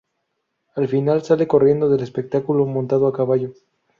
Al final sale corriendo del espectáculo montando a caballo.